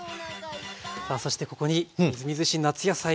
さあそしてここにみずみずしい夏野菜をご用意しました。